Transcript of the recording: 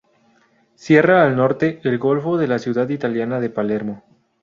Cierra al norte el golfo de la ciudad italiana de Palermo.